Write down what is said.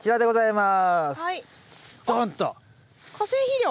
はい。